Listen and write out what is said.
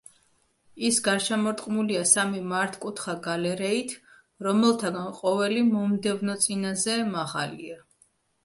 ის გარშემორტყმულია სამი მართკუთხა გალერეით, რომელთაგან ყოველი მომდევნო წინაზე მაღალია.